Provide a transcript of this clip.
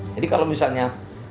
jadi kalau misalnya